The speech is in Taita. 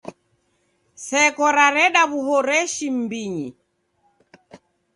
Seko rareda w'uhoreshi m'mbinyi.